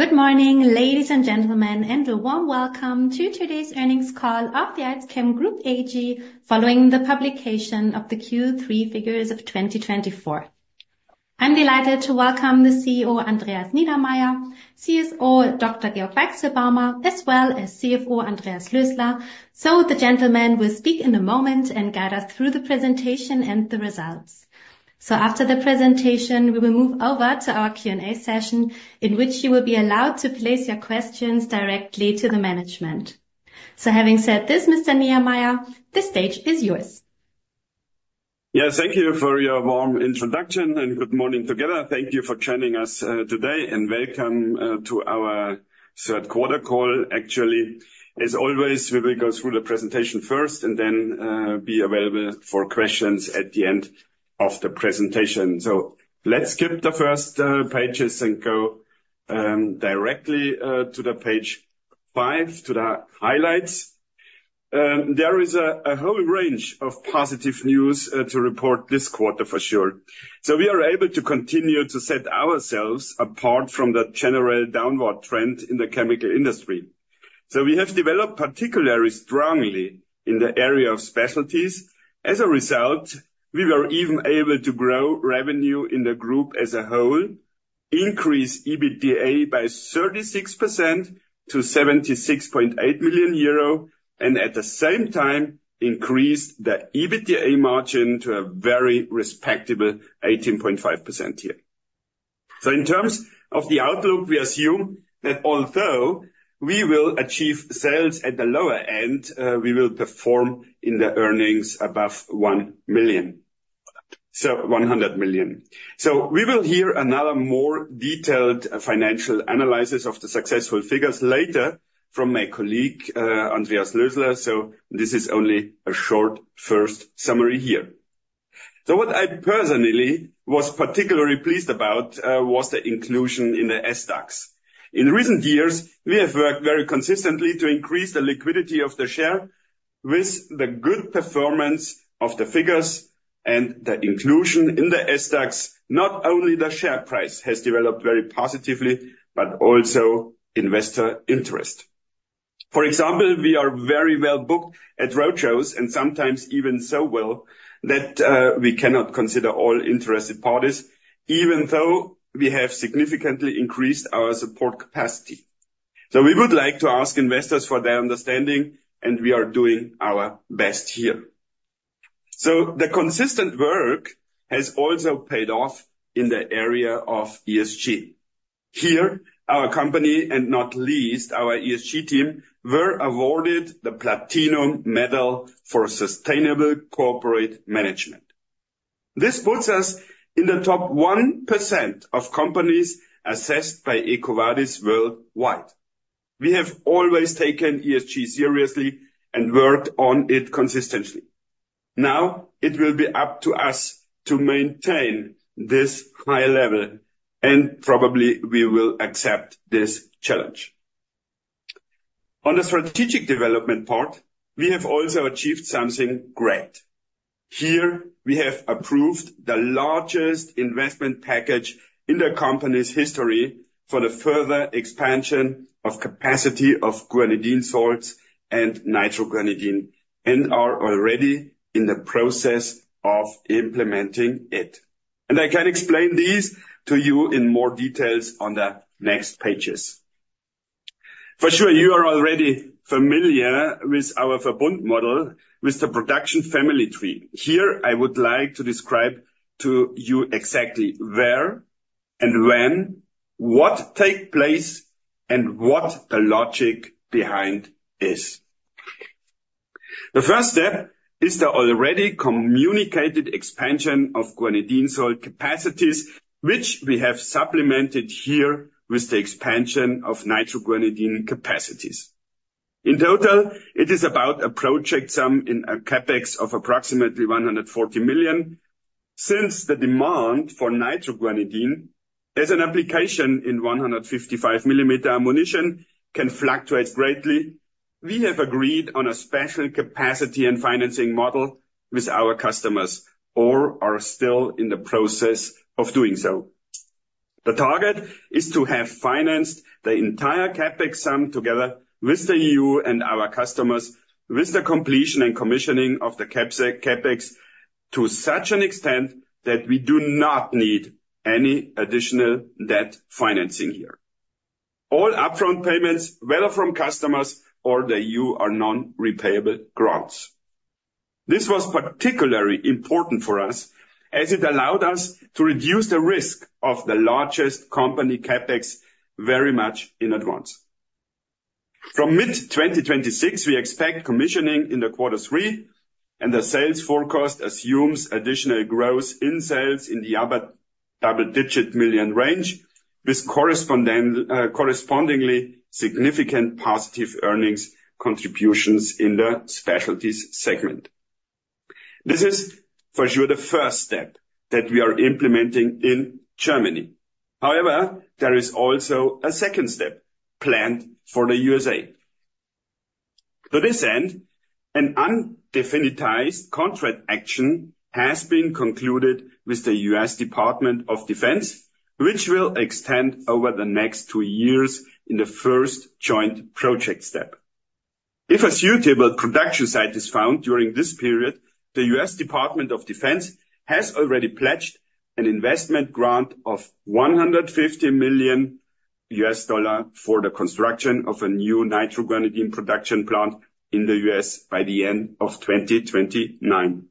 Good morning, ladies and gentlemen, and a warm Welcome to Today's Earnings Call of the AlzChem Group AG following the publication of the Q3 figures of 2024. I'm delighted to welcome the CEO, Andreas Niedermaier, CSO, Dr. Georg Weichselbaumer, as well as CFO, Andreas Lösler. The gentlemen will speak in a moment and guide us through the presentation and the results. After the presentation, we will move over to our Q&A session in which you will be allowed to place your questions directly to the management. Having said this, Mr. Niedermaier, the stage is yours. Yes, thank you for your warm introduction and good morning together. Thank you for joining us today and welcome to our third quarter call. Actually, as always, we will go through the presentation first and then be available for questions at the end of the presentation. So let's skip the first pages and go directly to page five, to the highlights. There is a whole range of positive news to report this quarter for sure. So we are able to continue to set ourselves apart from the general downward trend in the chemical industry. So we have developed particularly strongly in the area of specialties. As a result, we were even able to grow revenue in the group as a whole, increase EBITDA by 36% to 76.8 million euro, and at the same time increased the EBITDA margin to a very respectable 18.5% here. In terms of the outlook, we assume that although we will achieve sales at the lower end, we will perform in the earnings above €100 million. We will hear another more detailed financial analysis of the successful figures later from my colleague Andreas Lösler. This is only a short first summary here. What I personally was particularly pleased about was the inclusion in the SDAX. In recent years, we have worked very consistently to increase the liquidity of the share. With the good performance of the figures and the inclusion in the SDAX, not only the share price has developed very positively, but also investor interest. For example, we are very well booked at roadshows and sometimes even so well that we cannot consider all interested parties, even though we have significantly increased our support capacity. So we would like to ask investors for their understanding, and we are doing our best here. So the consistent work has also paid off in the area of ESG. Here, our company, and not least our ESG team, were awarded the Platinum Medal for Sustainable Corporate Management. This puts us in the top 1% of companies assessed by EcoVadis worldwide. We have always taken ESG seriously and worked on it consistently. Now it will be up to us to maintain this high level, and probably we will accept this challenge. On the strategic development part, we have also achieved something great. Here we have approved the largest investment package in the company's history for the further expansion of capacity of guanidine salts and nitroguanidine and are already in the process of implementing it. And I can explain this to you in more details on the next pages. For sure, you are already familiar with our Verbund model with the production family tree. Here I would like to describe to you exactly where and when, what takes place, and what the logic behind is. The first step is the already communicated expansion of guanidine salt capacities, which we have supplemented here with the expansion of nitroguanidine capacities. In total, it is about a project sum in a Capex of approximately 140 million. Since the demand for nitroguanidine as an application in 155 millimeter ammunition can fluctuate greatly, we have agreed on a special capacity and financing model with our customers or are still in the process of doing so. The target is to have financed the entire Capex sum together with the EU and our customers with the completion and commissioning of the Capex to such an extent that we do not need any additional debt financing here. All upfront payments, whether from customers or the EU or non-repayable grants. This was particularly important for us as it allowed us to reduce the risk of the largest company Capex very much in advance. From mid-2026, we expect commissioning in the quarter three, and the sales forecast assumes additional growth in sales in the upper double-digit million range with correspondingly significant positive earnings contributions in the specialties segment. This is for sure the first step that we are implementing in Germany. However, there is also a second step planned for the USA. To this end, an undefinitized contract action has been concluded with the US Department of Defense, which will extend over the next two years in the first joint project step. If a suitable production site is found during this period, the U.S. Department of Defense has already pledged an investment grant of $150 million for the construction of a new nitroguanidine production plant in the U.S. by the end of 2029,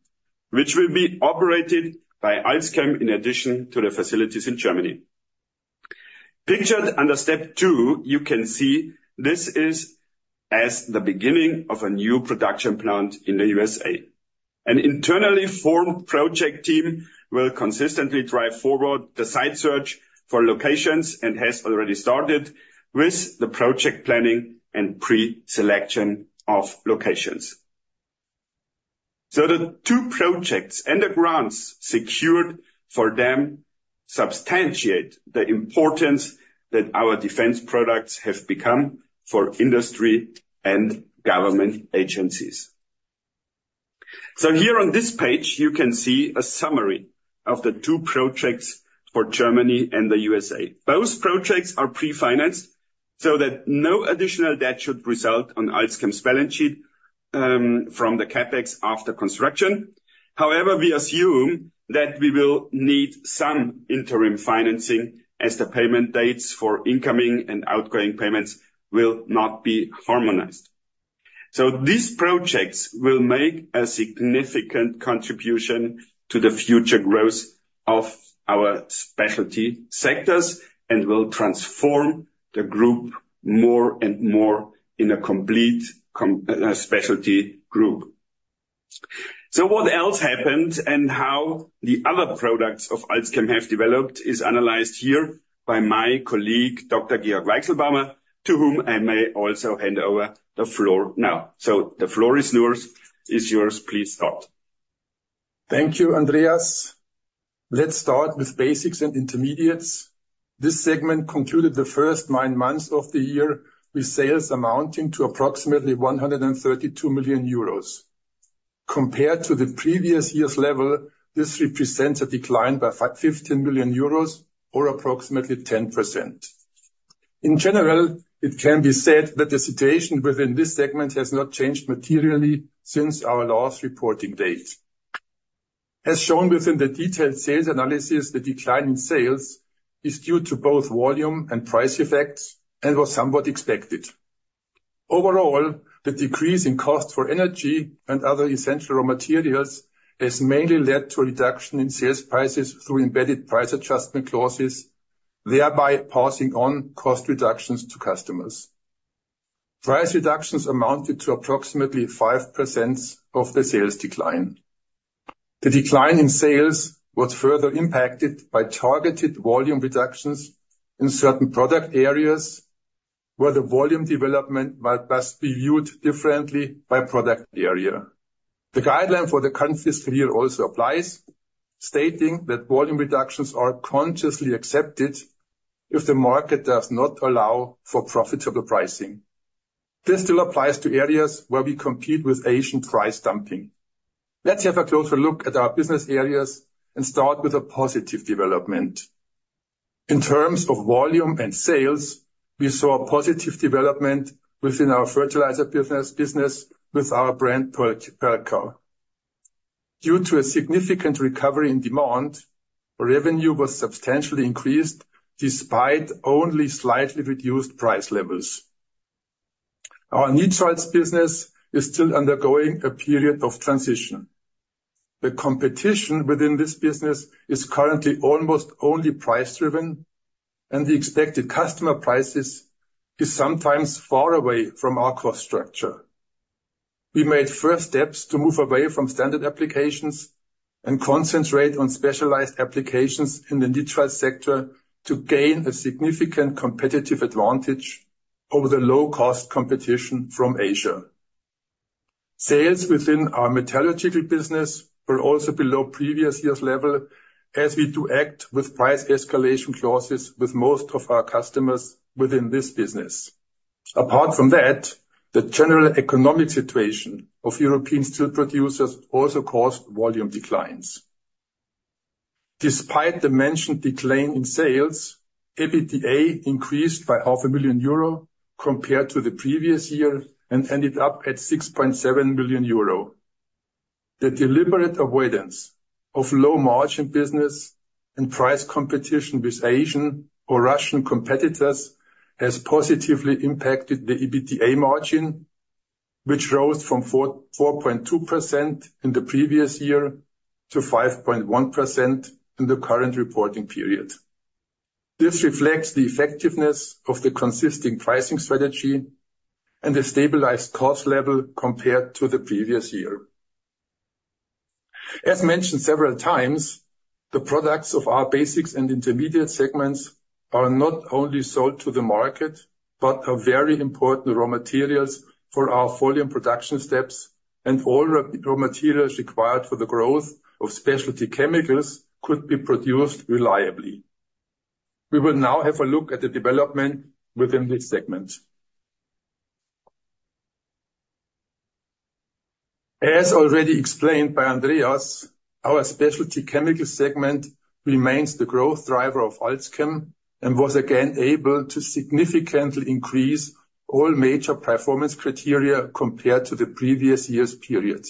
which will be operated by AlzChem in addition to the facilities in Germany. Pictured under step two, you can see this is the beginning of a new production plant in the USA. An internally formed project team will consistently drive forward the site search for locations and has already started with the project planning and pre-selection of locations. The two projects and the grants secured for them substantiate the importance that our defense products have become for industry and government agencies. Here on this page, you can see a summary of the two projects for Germany and the USA. Both projects are pre-financed so that no additional debt should result on AlzChem's balance sheet from the CapEx after construction. However, we assume that we will need some interim financing as the payment dates for incoming and outgoing payments will not be harmonized. So these projects will make a significant contribution to the future growth of our specialty sectors and will transform the group more and more in a complete specialty group. So what else happened and how the other products of AlzChem have developed is analyzed here by my colleague, Dr. Georg Weichselbaumer, to whom I may also hand over the floor now. So the floor is yours. Please start. Thank you, Andreas. Let's start with basics and intermediates. This segment concluded the first nine months of the year with sales amounting to approximately 132 million euros. Compared to the previous year's level, this represents a decline by 15 million euros or approximately 10%. In general, it can be said that the situation within this segment has not changed materially since our last reporting date. As shown within the detailed sales analysis, the decline in sales is due to both volume and price effects and was somewhat expected. Overall, the decrease in costs for energy and other essential raw materials has mainly led to a reduction in sales prices through embedded price adjustment clauses, thereby passing on cost reductions to customers. Price reductions amounted to approximately 5% of the sales decline. The decline in sales was further impacted by targeted volume reductions in certain product areas where the volume development must be viewed differently by product area. The guideline for the countries here also applies, stating that volume reductions are consciously accepted if the market does not allow for profitable pricing. This still applies to areas where we compete with Asian price dumping. Let's have a closer look at our business areas and start with a positive development. In terms of volume and sales, we saw a positive development within our fertilizer business with our brand Perlka. Due to a significant recovery in demand, revenue was substantially increased despite only slightly reduced price levels. Our nitrates business is still undergoing a period of transition. The competition within this business is currently almost only price-driven, and the expected customer prices are sometimes far away from our cost structure. We made first steps to move away from standard applications and concentrate on specialized applications in the nitrate sector to gain a significant competitive advantage over the low-cost competition from Asia. Sales within our metallurgical business will also be below previous year's level as we do have price escalation clauses with most of our customers within this business. Apart from that, the general economic situation of European steel producers also caused volume declines. Despite the mentioned decline in sales, EBITDA increased by 500,000 euro compared to the previous year and ended up at 6.7 million euro. The deliberate avoidance of low-margin business and price competition with Asian or Russian competitors has positively impacted the EBITDA margin, which rose from 4.2% in the previous year to 5.1% in the current reporting period. This reflects the effectiveness of the consistent pricing strategy and the stabilized cost level compared to the previous year. As mentioned several times, the products of our basics and intermediate segments are not only sold to the market, but are very important raw materials for our volume production steps, and all raw materials required for the growth of specialty chemicals could be produced reliably. We will now have a look at the development within this segment. As already explained by Andreas, our specialty chemical segment remains the growth driver of AlzChem and was again able to significantly increase all major performance criteria compared to the previous year's period.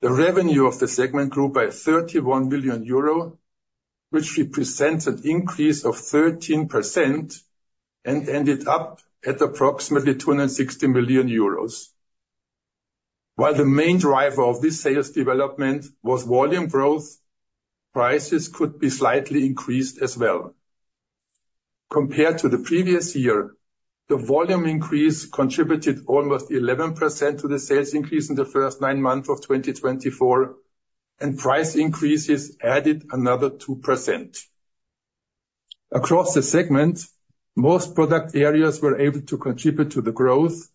The revenue of the segment grew by 31 million euro, which represents an increase of 13% and ended up at approximately 260 million euros. While the main driver of this sales development was volume growth, prices could be slightly increased as well. Compared to the previous year, the volume increase contributed almost 11% to the sales increase in the first nine months of 2024, and price increases added another 2%. Across the segment, most product areas were able to contribute to the growth,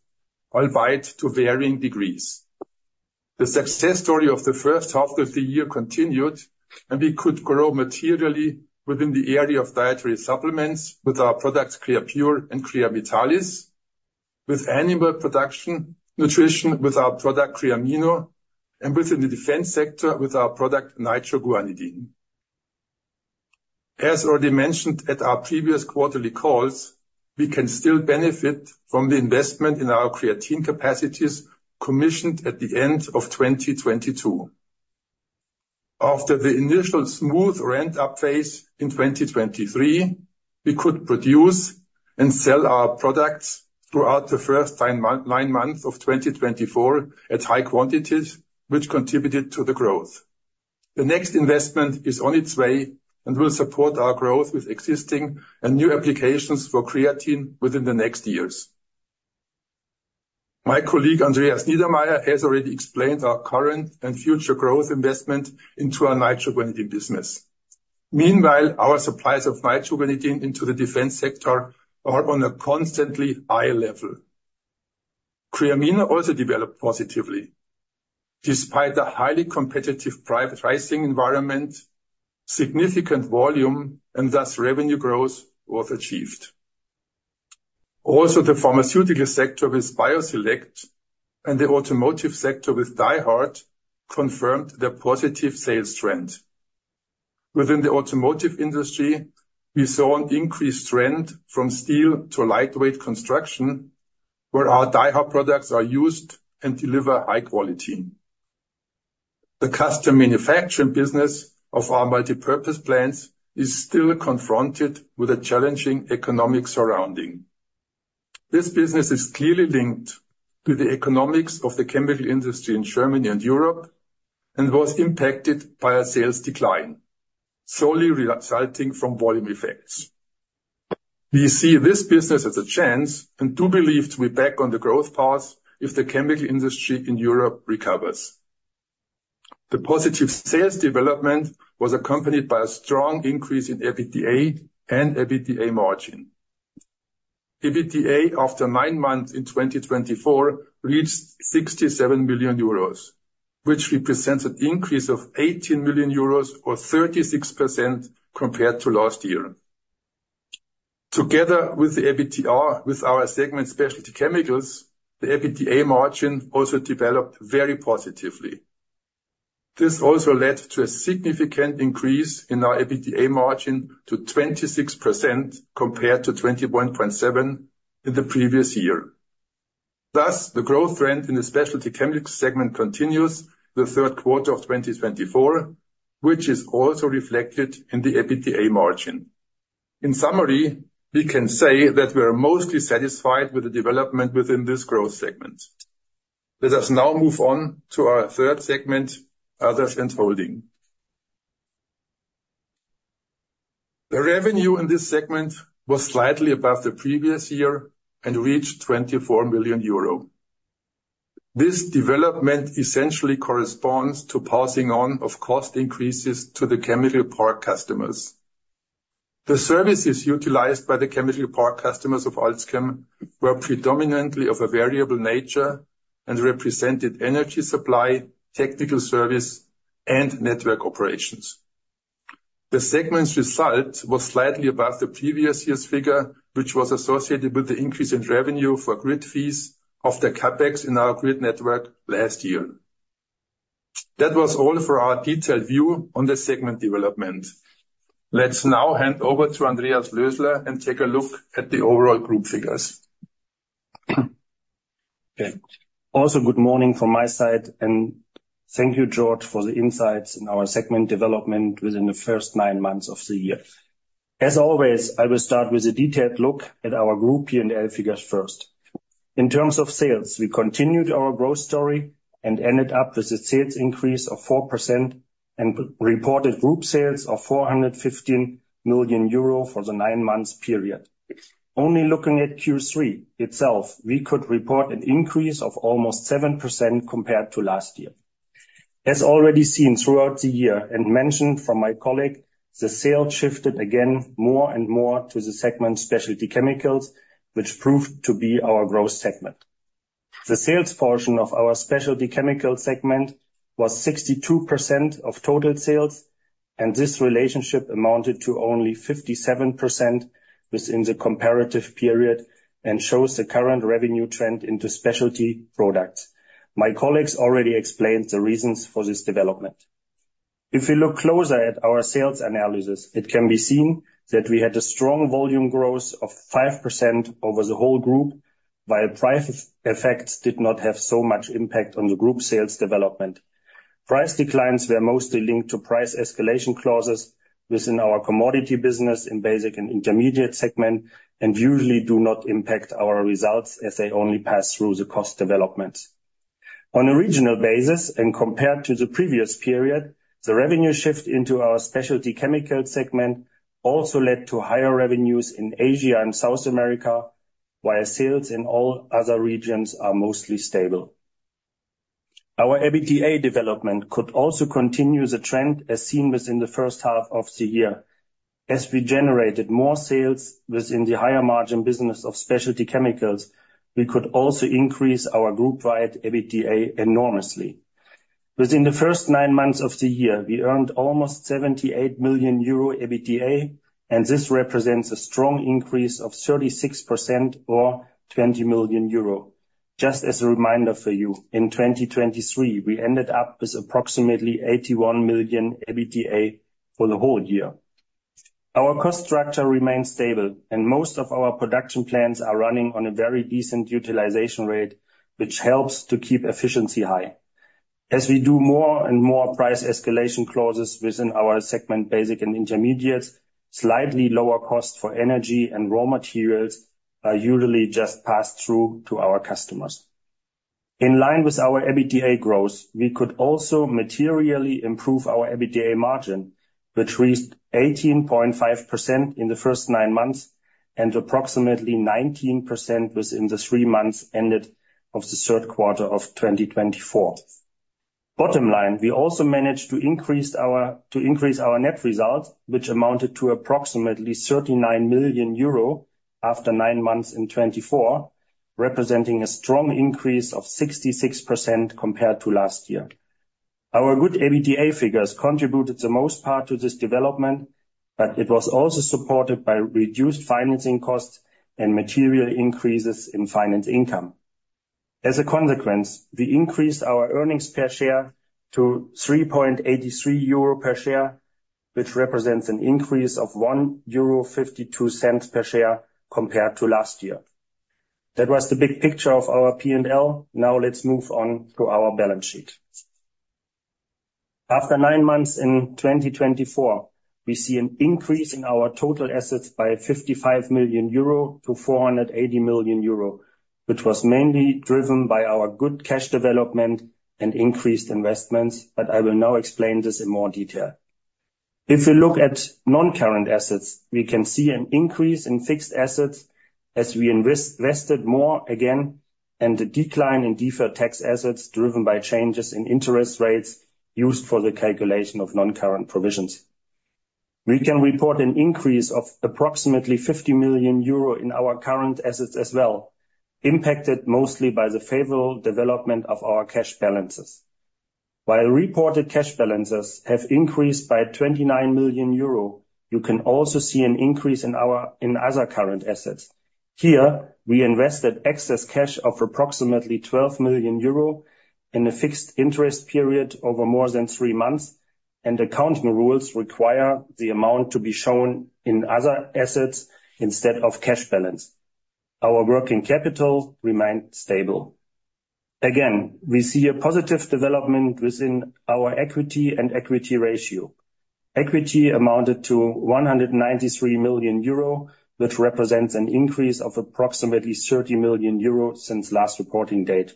albeit to varying degrees. The success story of the first half of the year continued, and we could grow materially within the area of dietary supplements with our products Creapure and Creavitalis, with animal nutrition with our product Creamino, and within the defense sector with our product Nitroguanidine. As already mentioned at our previous quarterly calls, we can still benefit from the investment in our creatine capacities commissioned at the end of 2022. After the initial smooth ramp-up phase in 2023, we could produce and sell our products throughout the first nine months of 2024 at high quantities, which contributed to the growth. The next investment is on its way and will support our growth with existing and new applications for creatine within the next years. My colleague Andreas Niedermaier has already explained our current and future growth investment into our nitroguanidine business. Meanwhile, our supplies of nitroguanidine into the defense sector are on a constantly high level. Creamino also developed positively. Despite the highly competitive pricing environment, significant volume and thus revenue growth was achieved. Also, the pharmaceutical sector with BioSelect and the automotive sector with Dyhard confirmed the positive sales trend. Within the automotive industry, we saw an increased trend from steel to lightweight construction, where our Dyhard products are used and deliver high quality. The custom manufacturing business of our multipurpose plants is still confronted with a challenging economic surrounding. This business is clearly linked to the economics of the chemical industry in Germany and Europe and was impacted by a sales decline, solely resulting from volume effects. We see this business as a chance and do believe to be back on the growth path if the chemical industry in Europe recovers. The positive sales development was accompanied by a strong increase in EBITDA and EBITDA margin. EBITDA after nine months in 2024 reached 67 million euros, which represents an increase of 18 million euros or 36% compared to last year. Together with our segment specialty chemicals, the EBITDA margin also developed very positively. This also led to a significant increase in our EBITDA margin to 26% compared to 21.7% in the previous year. Thus, the growth trend in the specialty chemicals segment continues in the third quarter of 2024, which is also reflected in the EBITDA margin. In summary, we can say that we are mostly satisfied with the development within this growth segment. Let us now move on to our third segment, others and holding. The revenue in this segment was slightly above the previous year and reached 24 million euro. This development essentially corresponds to passing on of cost increases to the chemical park customers. The services utilized by the chemical park customers of AlzChem were predominantly of a variable nature and represented energy supply, technical service, and network operations. The segment's result was slightly above the previous year's figure, which was associated with the increase in revenue for grid fees of the CapEx in our grid network last year. That was all for our detailed view on the segment development. Let's now hand over to Andreas Lösler and take a look at the overall group figures. Okay. Also, good morning from my side, and thank you, Georg, for the insights in our segment development within the first nine months of the year. As always, I will start with a detailed look at our group here in the P&L figures first. In terms of sales, we continued our growth story and ended up with a sales increase of 4% and reported group sales of 415 million euro for the nine-month period. Only looking at Q3 itself, we could report an increase of almost 7% compared to last year. As already seen throughout the year and mentioned from my colleague, the sales shifted again more and more to the segment specialty chemicals, which proved to be our growth segment. The sales portion of our specialty chemical segment was 62% of total sales, and this relationship amounted to only 57% within the comparative period and shows the current revenue trend into specialty products. My colleagues already explained the reasons for this development. If we look closer at our sales analysis, it can be seen that we had a strong volume growth of 5% over the whole group, while price effects did not have so much impact on the group sales development. Price declines were mostly linked to price escalation clauses within our commodity business in basic and intermediate segment and usually do not impact our results as they only pass through the cost developments. On a regional basis and compared to the previous period, the revenue shift into our specialty chemical segment also led to higher revenues in Asia and South America, while sales in all other regions are mostly stable. Our EBITDA development could also continue the trend as seen within the first half of the year. As we generated more sales within the higher margin business of specialty chemicals, we could also increase our group-wide EBITDA enormously. Within the first nine months of the year, we earned almost 78 million euro EBITDA, and this represents a strong increase of 36% or 20 million euro. Just as a reminder for you, in 2023, we ended up with approximately 81 million EBITDA for the whole year. Our cost structure remains stable, and most of our production plants are running on a very decent utilization rate, which helps to keep efficiency high. As we do more and more price escalation clauses within our segment basic and intermediates, slightly lower costs for energy and raw materials are usually just passed through to our customers. In line with our EBITDA growth, we could also materially improve our EBITDA margin, which reached 18.5% in the first nine months and approximately 19% within the three months ended of the third quarter of 2024. Bottom line, we also managed to increase our net result, which amounted to approximately 39 million euro after nine months in 2024, representing a strong increase of 66% compared to last year. Our good EBITDA figures contributed the most part to this development, but it was also supported by reduced financing costs and material increases in finance income. As a consequence, we increased our earnings per share to 3.83 euro per share, which represents an increase of 1.52 euro per share compared to last year. That was the big picture of our P&L. Now let's move on to our balance sheet. After nine months in 2024, we see an increase in our total assets by 55 million euro to 480 million euro, which was mainly driven by our good cash development and increased investments, but I will now explain this in more detail. If we look at non-current assets, we can see an increase in fixed assets as we invested more again and a decline in deferred tax assets driven by changes in interest rates used for the calculation of non-current provisions. We can report an increase of approximately 50 million euro in our current assets as well, impacted mostly by the favorable development of our cash balances. While reported cash balances have increased by 29 million euro, you can also see an increase in other current assets. Here, we invested excess cash of approximately 12 million euro in a fixed interest period over more than three months, and accounting rules require the amount to be shown in other assets instead of cash balance. Our working capital remained stable. Again, we see a positive development within our equity and equity ratio. Equity amounted to 193 million euro, which represents an increase of approximately 30 million euro since last reporting date,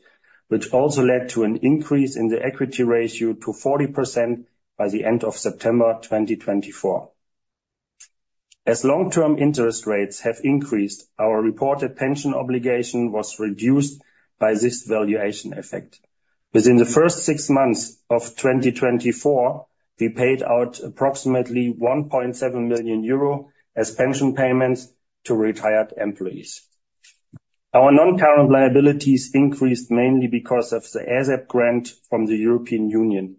which also led to an increase in the equity ratio to 40% by the end of September 2024. As long-term interest rates have increased, our reported pension obligation was reduced by this valuation effect. Within the first six months of 2024, we paid out approximately 1.7 million euro as pension payments to retired employees. Our non-current liabilities increased mainly because of the ASEP grant from the European Union.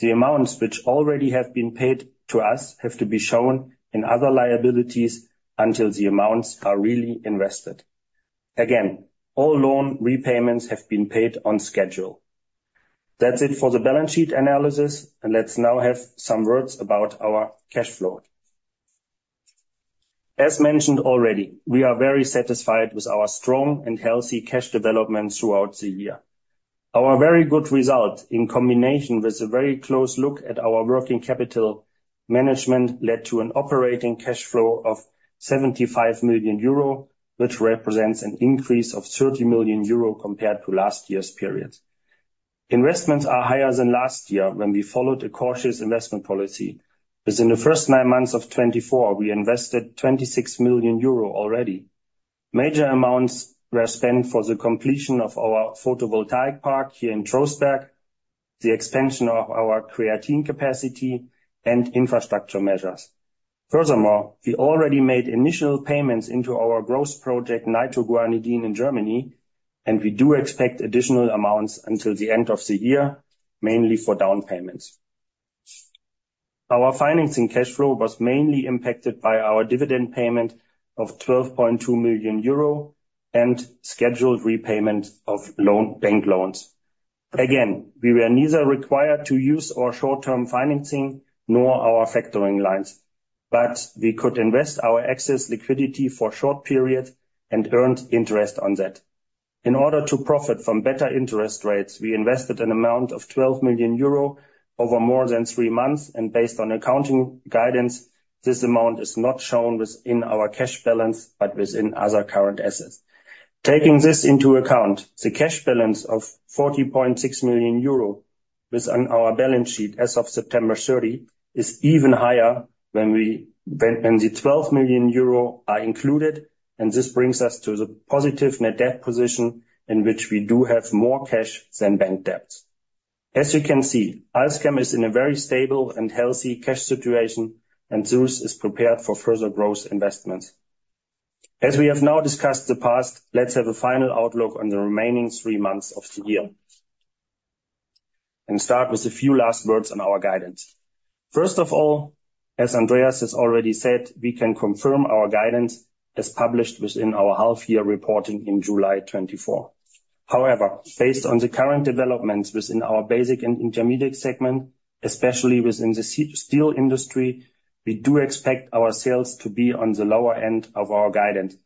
The amounts which already have been paid to us have to be shown in other liabilities until the amounts are really invested. Again, all loan repayments have been paid on schedule. That's it for the balance sheet analysis, and let's now have some words about our cash flow. As mentioned already, we are very satisfied with our strong and healthy cash development throughout the year. Our very good result in combination with a very close look at our working capital management led to an operating cash flow of 75 million euro, which represents an increase of 30 million euro compared to last year's period. Investments are higher than last year when we followed a cautious investment policy. Within the first nine months of 2024, we invested 26 million euro already. Major amounts were spent for the completion of our photovoltaic park here in Trostberg, the expansion of our creatine capacity, and infrastructure measures. Furthermore, we already made initial payments into our growth project Nitroguanidine in Germany, and we do expect additional amounts until the end of the year, mainly for down payments. Our financing cash flow was mainly impacted by our dividend payment of 12.2 million euro and scheduled repayment of bank loans. Again, we were neither required to use our short-term financing nor our factoring lines, but we could invest our excess liquidity for a short period and earned interest on that. In order to profit from better interest rates, we invested an amount of 12 million euro over more than three months, and based on accounting guidance, this amount is not shown within our cash balance, but within other current assets. Taking this into account, the cash balance of 40.6 million euro within our balance sheet as of September 30 is even higher when the 12 million euro are included, and this brings us to the positive net debt position in which we do have more cash than bank debts. As you can see, AlzChem is in a very stable and healthy cash situation, and we are prepared for further growth investments. As we have now discussed in the past, let's have a final outlook on the remaining three months of the year and start with a few last words on our guidance. First of all, as Andreas has already said, we can confirm our guidance as published within our half-year reporting in July 2024. However, based on the current developments within our basic and intermediate segment, especially within the steel industry, we do expect our sales to be on the lower end of our guidance,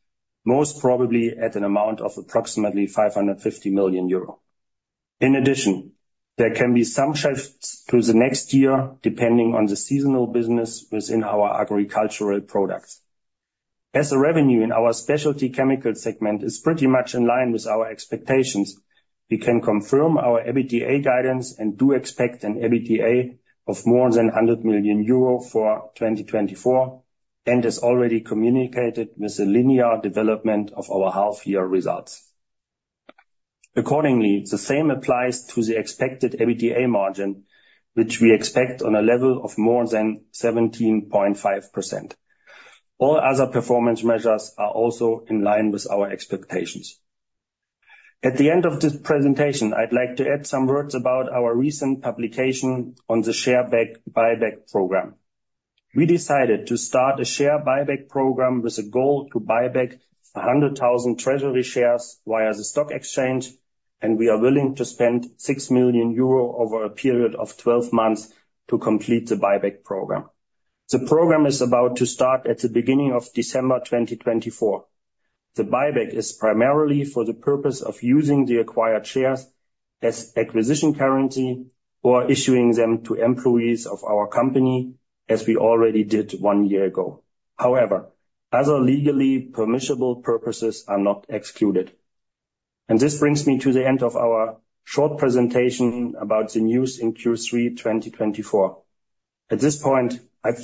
most probably at an amount of approximately 550 million euro. In addition, there can be some shifts through the next year depending on the seasonal business within our agricultural products. As the revenue in our specialty chemicals segment is pretty much in line with our expectations, we can confirm our EBITDA guidance and do expect an EBITDA of more than 100 million euro for 2024 and as already communicated with the linear development of our half-year results. Accordingly, the same applies to the expected EBITDA margin, which we expect on a level of more than 17.5%. All other performance measures are also in line with our expectations. At the end of this presentation, I'd like to add some words about our recent publication on the share buyback program. We decided to start a share buyback program with a goal to buy back 100,000 treasury shares via the stock exchange, and we are willing to spend 6 million euro over a period of 12 months to complete the buyback program. The program is about to start at the beginning of December 2024. The buyback is primarily for the purpose of using the acquired shares as acquisition currency or issuing them to employees of our company, as we already did one year ago. However, other legally permissible purposes are not excluded, and this brings me to the end of our short presentation about the news in Q3 2024. At this point,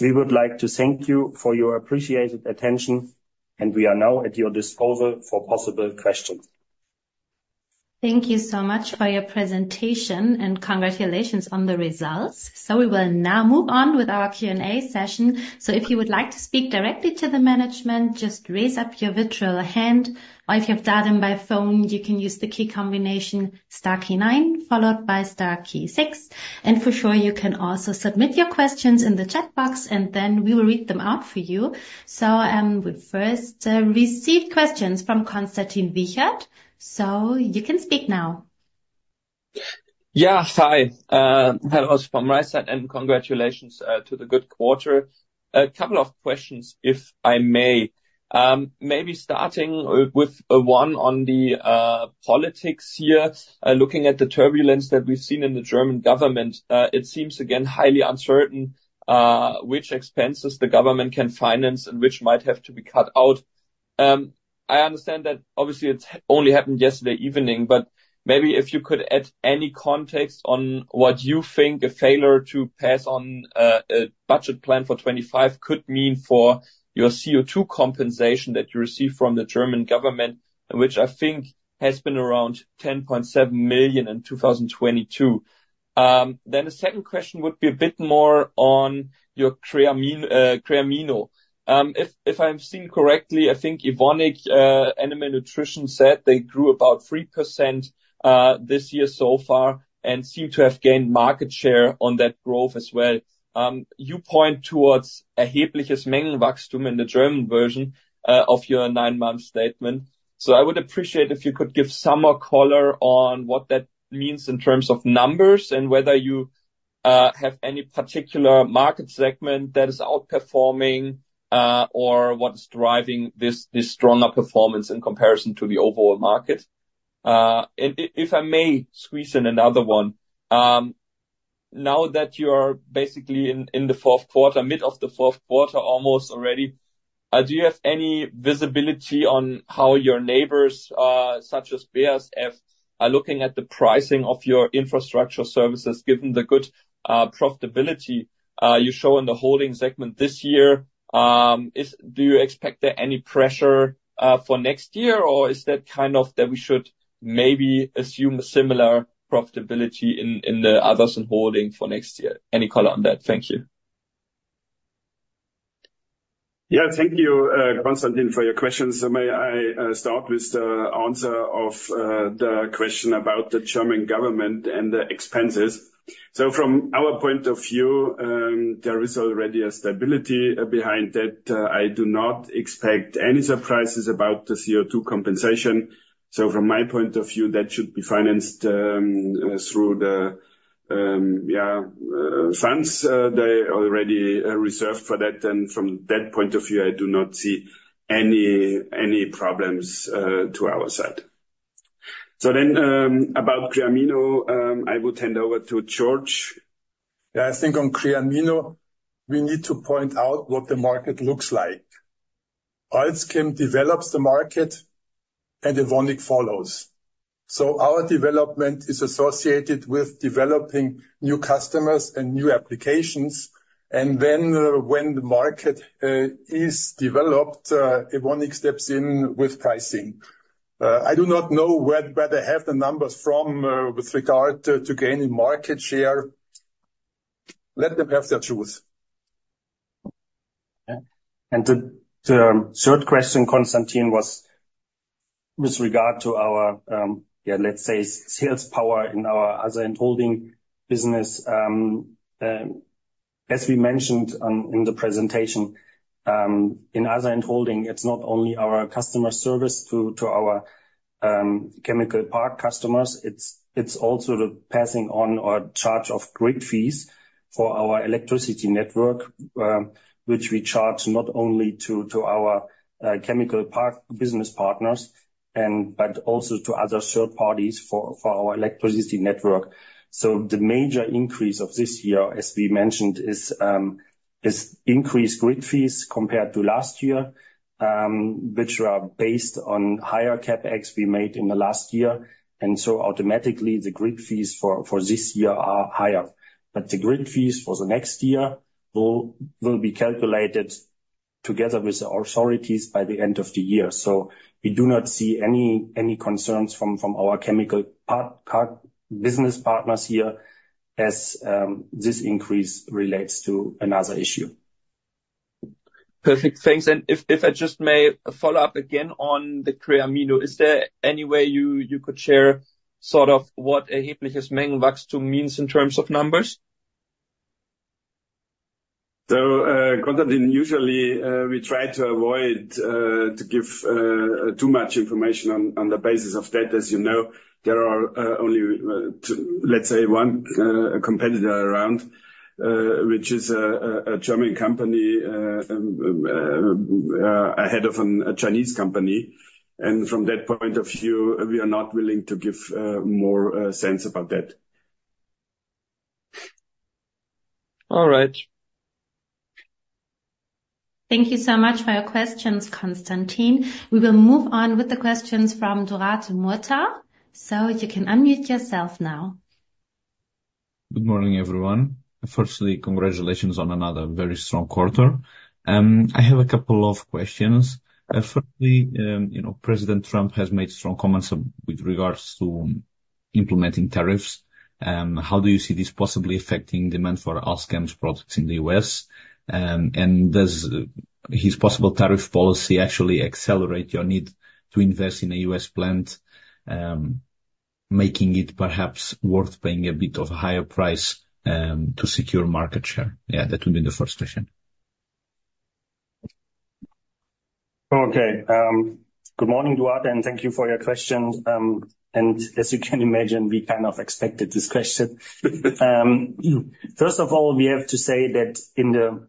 we would like to thank you for your appreciated attention, and we are now at your disposal for possible questions. Thank you so much for your presentation and congratulations on the results. So we will now move on with our Q&A session. So if you would like to speak directly to the management, just raise up your virtual hand, or if you have done it by phone, you can use the key combination star 9 followed by star 6. And for sure, you can also submit your questions in the chat box, and then we will read them out for you. So we first received questions from Konstantin Wiechert. So you can speak now. Yeah, hi. Hello, from my side, and congratulations to the good quarter. A couple of questions, if I may. Maybe starting with one on the politics here, looking at the turbulence that we've seen in the German government, it seems again highly uncertain which expenses the government can finance and which might have to be cut out. I understand that obviously it only happened yesterday evening, but maybe if you could add any context on what you think a failure to pass on a budget plan for 2025 could mean for your CO2 compensation that you receive from the German government, which I think has been around €10.7 million in 2022. Then the second question would be a bit more on your Creamino. If I'm seeing correctly, I think Evonik Animal Nutrition said they grew about 3% this year so far and seem to have gained market share on that growth as well. You point towards erhebliches Mengenwachstum in the German version of your nine-month statement. So I would appreciate if you could give some more color on what that means in terms of numbers and whether you have any particular market segment that is outperforming or what is driving this stronger performance in comparison to the overall market. And if I may squeeze in another one, now that you're basically in the fourth quarter, mid of the fourth quarter almost already, do you have any visibility on how your neighbors, such as BASF, are looking at the pricing of your infrastructure services given the good profitability you show in the holding segment this year? Do you expect there any pressure for next year, or is that kind of that we should maybe assume a similar profitability in the others in holding for next year? Any color on that? Thank you. Yeah, thank you, Konstantin, for your questions. May I start with the answer of the question about the German government and the expenses? So from our point of view, there is already a stability behind that. I do not expect any surprises about the CO2 compensation. So from my point of view, that should be financed through the funds they already reserved for that. And from that point of view, I do not see any problems to our side. So then about Creamino, I will hand over to Georg. Yeah, I think on Creamino, we need to point out what the market looks like. AlzChem develops the market, and Evonik follows, so our development is associated with developing new customers and new applications, and then when the market is developed, Evonik steps in with pricing. I do not know where they have the numbers from with regard to gaining market share. Let them have their truth. The third question, Konstantin, was with regard to our, yeah, let's say, sales power in our other and holding business. As we mentioned in the presentation, in other and holding, it's not only our customer service to our chemical park customers, it's also the passing on or charge of grid fees for our electricity network, which we charge not only to our chemical park business partners, but also to other third parties for our electricity network. The major increase of this year, as we mentioned, is increased grid fees compared to last year, which are based on higher CapEx we made in the last year. Automatically, the grid fees for this year are higher. The grid fees for the next year will be calculated together with the authorities by the end of the year. So we do not see any concerns from our chemical business partners here as this increase relates to another issue. Perfect. Thanks. And if I just may follow up again on the Creamino, is there any way you could share sort of what erhebliches Mengenwachstum means in terms of numbers? So, Konstantin, usually we try to avoid giving too much information on the basis of that. As you know, there are only, let's say, one competitor around, which is a German company ahead of a Chinese company. And from that point of view, we are not willing to give more sense about that. All right. Thank you so much for your questions, Konstantin. We will move on with the questions from Dorothee Müter, so you can unmute yourself now. Good morning, everyone. Firstly, congratulations on another very strong quarter. I have a couple of questions. Firstly, President Trump has made strong comments with regards to implementing tariffs. How do you see this possibly affecting demand for AlzChem's products in the U.S.? And does his possible tariff policy actually accelerate your need to invest in a U.S. plant, making it perhaps worth paying a bit of a higher price to secure market share? Yeah, that would be the first question. Okay. Good morning, Dorothee, and thank you for your question. And as you can imagine, we kind of expected this question. First of all, we have to say that in the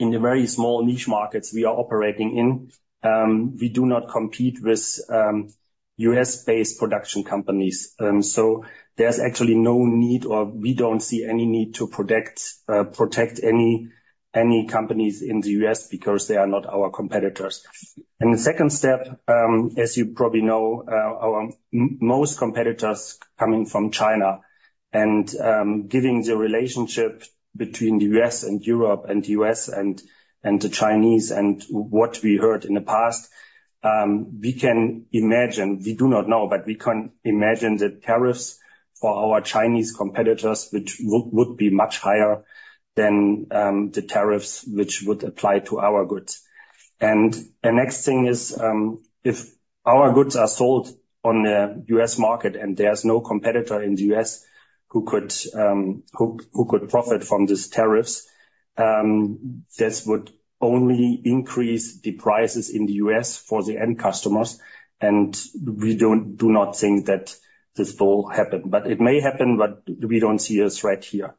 very small niche markets we are operating in, we do not compete with U.S.-based production companies. So there's actually no need, or we don't see any need to protect any companies in the U.S. because they are not our competitors. And the second step, as you probably know, our most competitors are coming from China. And given the relationship between the U.S. and Europe and the U.S. and the Chinese and what we heard in the past, we can imagine, we do not know, but we can imagine that tariffs for our Chinese competitors would be much higher than the tariffs which would apply to our goods. The next thing is, if our goods are sold on the U.S. market and there's no competitor in the U.S. who could profit from these tariffs, this would only increase the prices in the U.S. for the end customers. We do not think that this will happen. It may happen, but we don't see a threat here.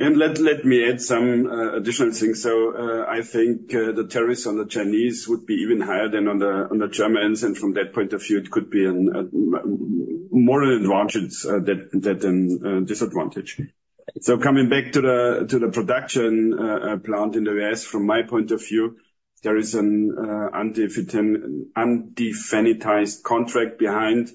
Let me add some additional things. I think the tariffs on the Chinese would be even higher than on the Germans. From that point of view, it could be more advantageous than disadvantageous. Coming back to the production plant in the U.S., from my point of view, there is an undefinitized contract behind.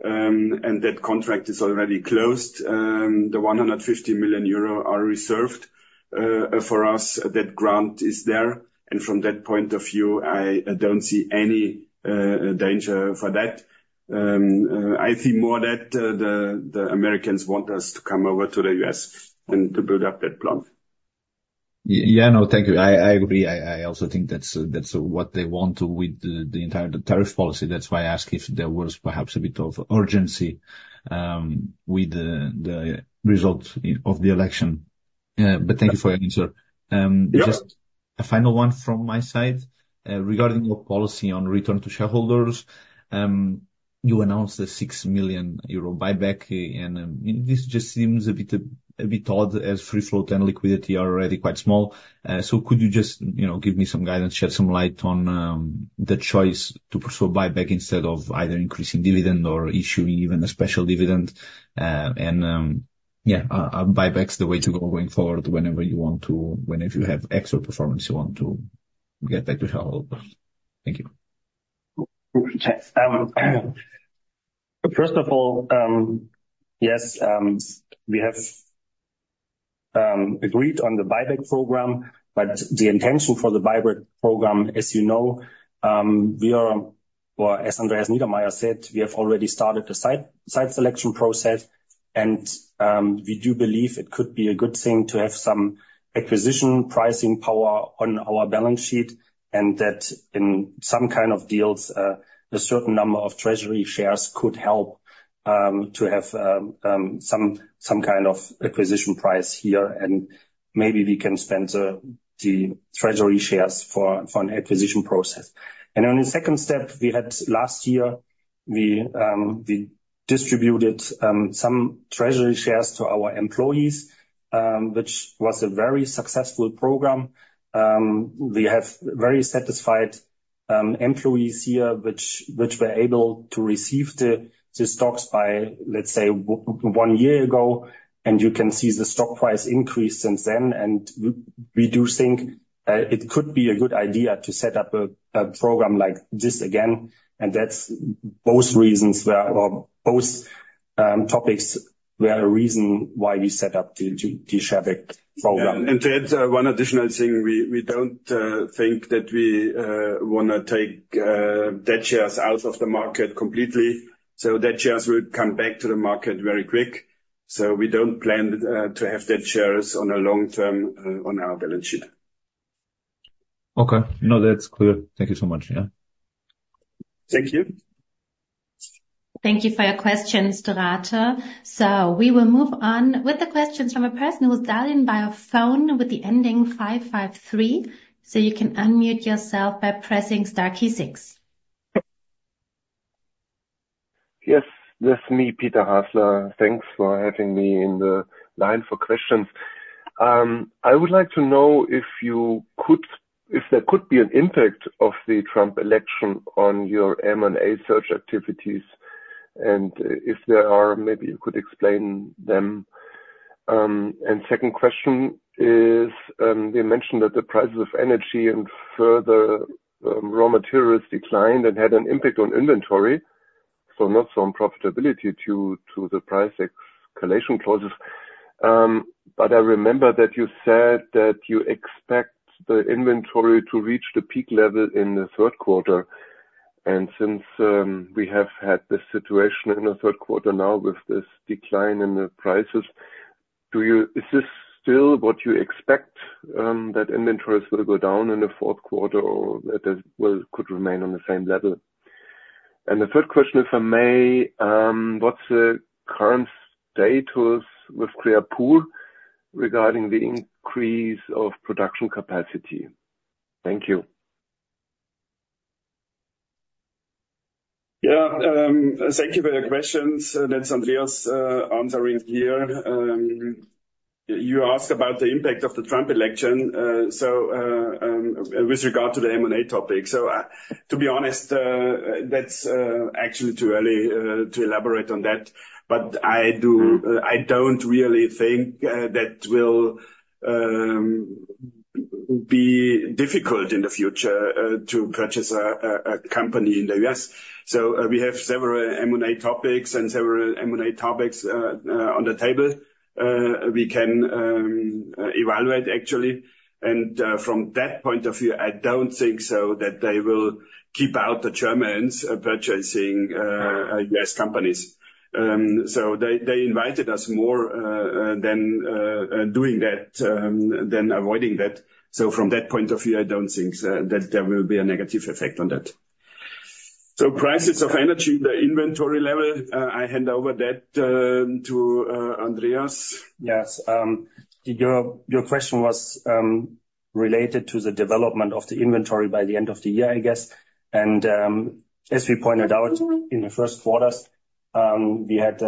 That contract is already closed. The €150 million are reserved for us. That grant is there. From that point of view, I don't see any danger for that. I think more that the Americans want us to come over to the U.S. and to build up that plant. Yeah, no, thank you. I agree. I also think that's what they want with the entire tariff policy. That's why I asked if there was perhaps a bit of urgency with the result of the election. But thank you for your answer. Just a final one from my side regarding your policy on return to shareholders. You announced a 6 million euro buyback, and this just seems a bit odd as free float and liquidity are already quite small. So could you just give me some guidance, shed some light on the choice to pursue a buyback instead of either increasing dividend or issuing even a special dividend? And yeah, buyback is the way to go going forward whenever you want to, whenever you have extra performance you want to get back to shareholders. Thank you. First of all, yes, we have agreed on the buyback program, but the intention for the buyback program, as you know, we are, or as Andreas Niedermaier said, we have already started the site selection process. We do believe it could be a good thing to have some acquisition pricing power on our balance sheet and that in some kind of deals, a certain number of treasury shares could help to have some kind of acquisition price here. Maybe we can spend the treasury shares for an acquisition process. Then the second step, we had last year, we distributed some treasury shares to our employees, which was a very successful program. We have very satisfied employees here, which were able to receive the stocks by, let's say, one year ago. You can see the stock price increased since then. And we do think it could be a good idea to set up a program like this again. And that's both reasons or both topics were a reason why we set up the share buyback program. And to add one additional thing, we don't think that we want to take dead shares out of the market completely. So dead shares will come back to the market very quick. So we don't plan to have dead shares on a long term on our balance sheet. Okay. No, that's clear. Thank you so much. Yeah. Thank you. Thank you for your questions, Dorothee. So we will move on with the questions from a person who was dialed in by a phone with the ending 553. So you can unmute yourself by pressing star key 6. Yes, that's me, Peter Hasler. Thanks for having me in the line for questions. I would like to know if there could be an impact of the Trump election on your M&A search activities and if there are, maybe you could explain them, and second question is, you mentioned that the prices of energy and further raw materials declined and had an impact on inventory, so not so on profitability due to the price escalation clauses, but I remember that you said that you expect the inventory to reach the peak level in the third quarter. And since we have had this situation in the third quarter now with this decline in the prices, is this still what you expect, that inventories will go down in the fourth quarter or that it could remain on the same level? The third question, if I may, what's the current status with Creapure regarding the increase of production capacity? Thank you. Yeah, thank you for your questions. That's Andreas answering here. You asked about the impact of the Trump election with regard to the M&A topic, so to be honest, that's actually too early to elaborate on that. But I don't really think that will be difficult in the future to purchase a company in the US. So we have several M&A topics and several M&A topics on the table we can evaluate, actually. And from that point of view, I don't think so that they will keep out the Germans purchasing US companies. So they invited us more than doing that, than avoiding that. So from that point of view, I don't think that there will be a negative effect on that. So prices of energy, the inventory level, I hand over that to Andreas. Yes. Your question was related to the development of the inventory by the end of the year, I guess. And as we pointed out in the first quarter, we had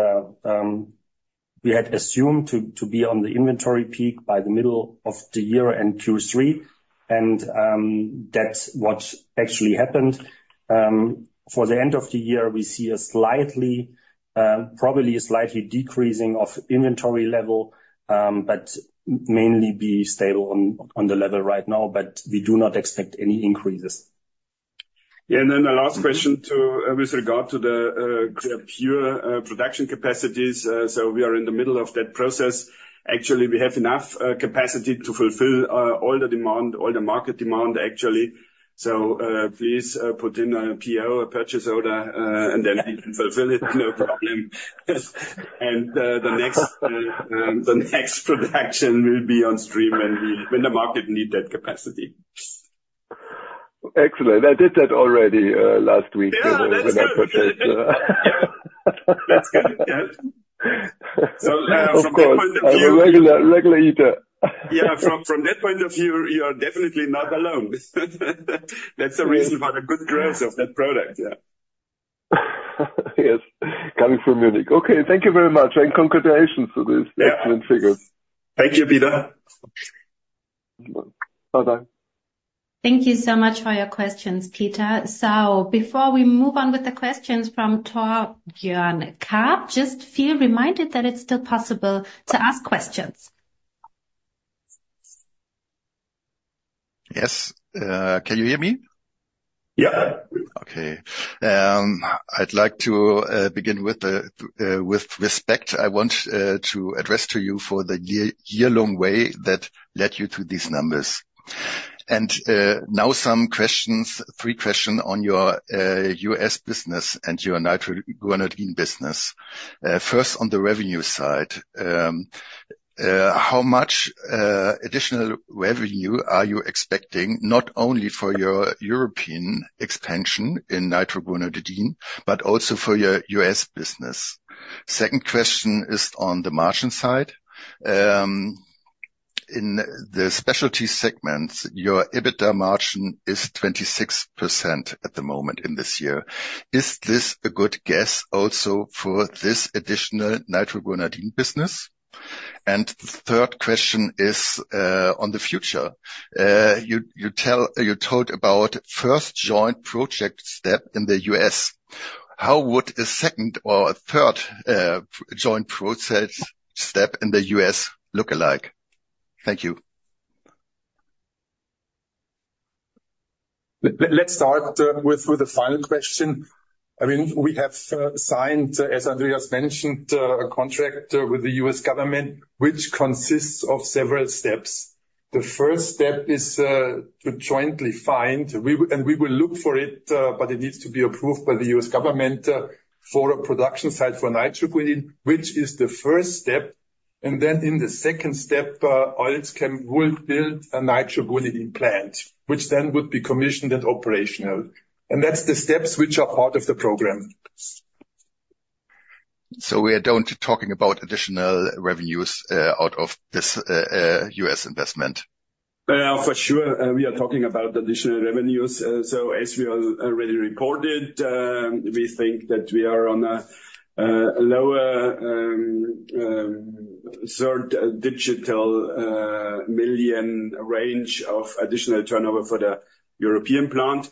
assumed to be on the inventory peak by the middle of the year and Q3. And that's what actually happened. For the end of the year, we see probably a slightly decreasing of inventory level, but mainly be stable on the level right now, but we do not expect any increases. Yeah. And then the last question with regard to the Creapure production capacities. So we are in the middle of that process. Actually, we have enough capacity to fulfill all the demand, all the market demand, actually. So please put in a PO, a purchase order, and then we can fulfill it, no problem. And the next production will be on stream when the market needs that capacity. Excellent. I did that already last week when I purchased. That's good. So from that point of view, you're a regular eater. Yeah. From that point of view, you are definitely not alone. That's the reason for the good grades of that product. Yes. Coming from Munich. Okay. Thank you very much and congratulations for these excellent figures. Thank you, Peter. Bye-bye. Thank you so much for your questions, Peter. So before we move on with the questions from Torbjörn Karp, just a reminder that it's still possible to ask questions. Yes. Can you hear me? Yeah. Okay. I'd like to begin with respect. I want to address to you for the year-long way that led you to these numbers. And now some questions, three questions on your US business and your nitroguanidine business. First, on the revenue side, how much additional revenue are you expecting not only for your European expansion in nitroguanidine, but also for your US business? Second question is on the margin side. In the specialty segments, your EBITDA margin is 26% at the moment in this year. Is this a good guess also for this additional nitroguanidine business? And the third question is on the future. You told about first joint project step in the US. How would a second or third joint process step in the US look like? Thank you. Let's start with the final question. I mean, we have signed, as Andreas mentioned, a contract with the U.S. government, which consists of several steps. The first step is to jointly find, and we will look for it, but it needs to be approved by the U.S. government for a production site for nitroguanidine, which is the first step. And then in the second step, AlzChem will build a nitroguanidine plant, which then would be commissioned and operational. And that's the steps which are part of the program. So we aren't talking about additional revenues out of this U.S. investment? For sure, we are talking about additional revenues, so as we already reported, we think that we are on a low thirties million range of additional turnover for the European plant,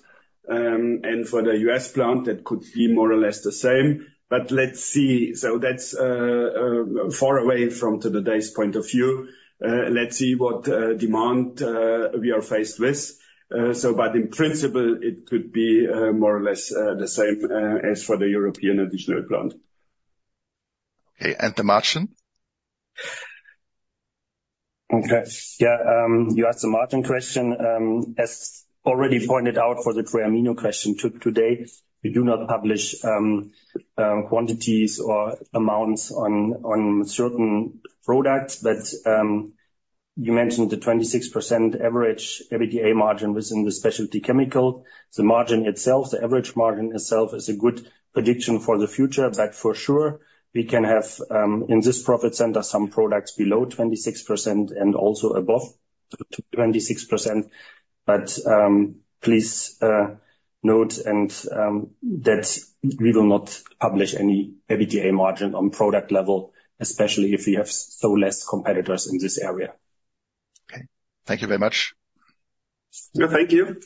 and for the US plant, that could be more or less the same, but let's see, so that's far away from today's point of view. Let's see what demand we are faced with, but in principle, it could be more or less the same as for the European additional plant. Okay. And the margin? Okay. Yeah. You asked the margin question. As already pointed out for the Creamino question today, we do not publish quantities or amounts on certain products. But you mentioned the 26% average EBITDA margin within the specialty chemical. The margin itself, the average margin itself is a good prediction for the future. But for sure, we can have in this profit center some products below 26% and also above 26%. But please note that we will not publish any EBITDA margin on product level, especially if we have so few competitors in this area. Okay. Thank you very much. Thank you.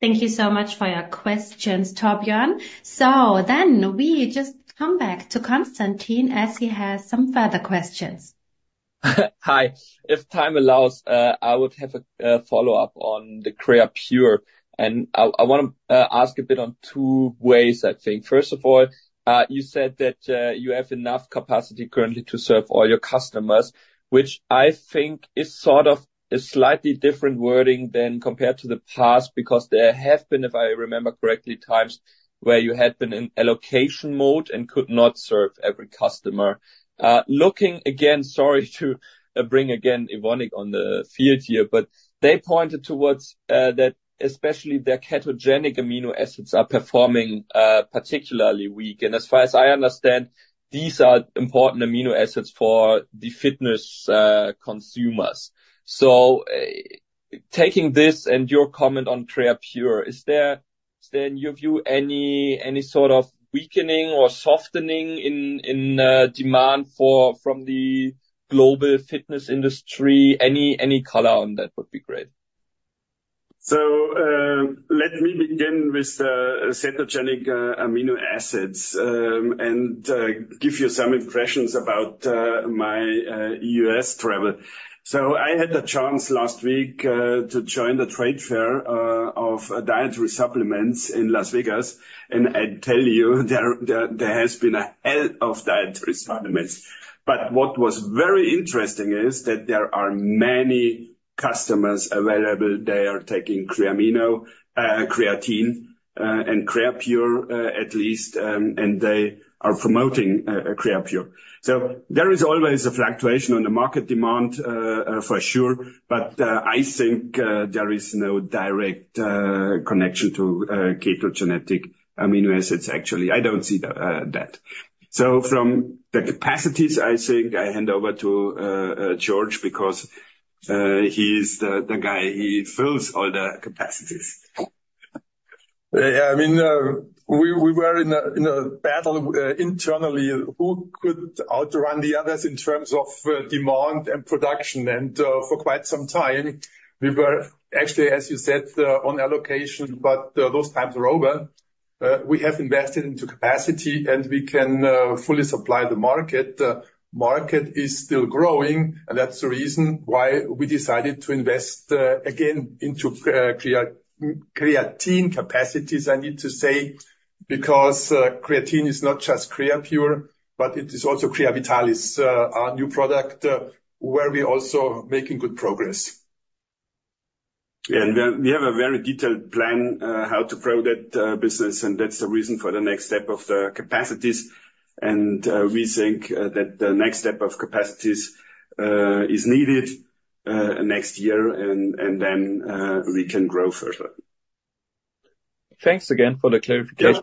Thank you so much for your questions, Torbjörn. So then we just come back to Konstantin as he has some further questions. Hi. If time allows, I would have a follow-up on the Creapure. I want to ask a bit in two ways, I think. First of all, you said that you have enough capacity currently to serve all your customers, which I think is sort of a slightly different wording than compared to the past because there have been, if I remember correctly, times where you had been in allocation mode and could not serve every customer. Looking again, sorry to bring Evonik onto the field here, but they pointed towards that especially their ketogenic amino acids are performing particularly weak. And as far as I understand, these are important amino acids for the fitness consumers. So taking this and your comment on Creapure, is there in your view any sort of weakening or softening in demand from the global fitness industry? Any color on that would be great. So let me begin with the ketogenic amino acids and give you some impressions about my US travel. So I had the chance last week to join the trade fair of dietary supplements in Las Vegas. And I tell you, there has been a hell of dietary supplements. But what was very interesting is that there are many customers available. They are taking Creamino, Creatine, and Creapure at least, and they are promoting Creapure. So there is always a fluctuation on the market demand for sure. But I think there is no direct connection to ketogenic amino acids, actually. I don't see that. So from the capacities, I think I hand over to Georg because he's the guy who fills all the capacities. Yeah. I mean, we were in a battle internally who could outrun the others in terms of demand and production. And for quite some time, we were actually, as you said, on allocation, but those times are over. We have invested into capacity, and we can fully supply the market. The market is still growing, and that's the reason why we decided to invest again into creatine capacities. I need to say, because creatine is not just Creapure, but it is also Creavitalis, our new product, where we are also making good progress. Yeah, and we have a very detailed plan how to grow that business, and that's the reason for the next step of the capacities. We think that the next step of capacities is needed next year, and then we can grow further. Thanks again for the clarification.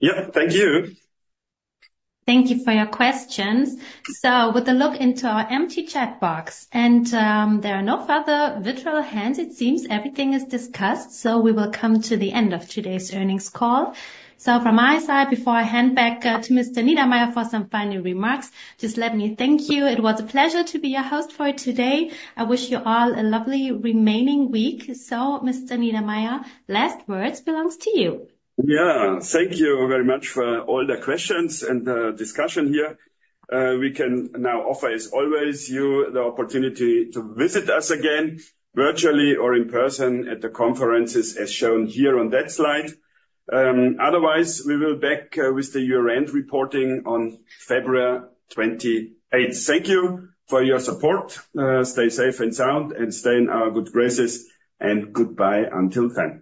Yeah. Thank you. Thank you for your questions. With a look into our empty chat box, and there are no further virtual hands, it seems everything is discussed. We will come to the end of today's earnings call. From my side, before I hand back to Mr. Niedermaier for some final remarks, just let me thank you. It was a pleasure to be your host for today. I wish you all a lovely remaining week. Mr. Niedermaier, last words belong to you. Yeah. Thank you very much for all the questions and the discussion here. We can now offer, as always, you the opportunity to visit us again virtually or in person at the conferences as shown here on that slide. Otherwise, we will be back with the year-end reporting on February 28th. Thank you for your support. Stay safe and sound, and stay in our good graces. And goodbye until then.